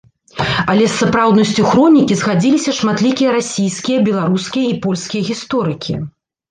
Але з сапраўднасцю хронікі згадзіліся шматлікія расійскія, беларускія і польскія гісторыкі.